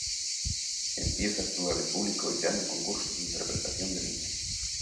Empieza a actuar en público y gana concursos de interpretación de niña.